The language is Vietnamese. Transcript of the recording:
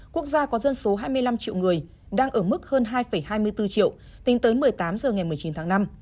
quốc gia có dân số hai mươi năm triệu người đang ở mức hơn hai hai mươi bốn triệu tính tới một mươi tám h ngày một mươi chín tháng năm